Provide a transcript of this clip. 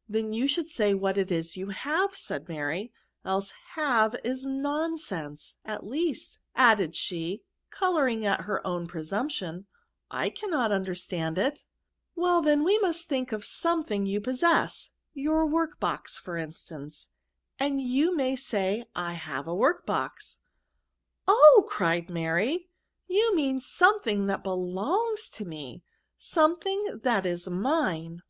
" Then you should say what it is you have^ said Mary, " else have is nonsense,— at least/* added she, colouring at her own presumption, " I cannot understand it." Well then, we must think of something you possess ; your work box, for instance, and you may say I have a work box." Oh !" cried Mary, " you mean something that belongs to me ; something that is mine.